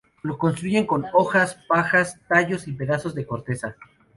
Lo construyen con hojas, pajas tallos y pedazos de corteza.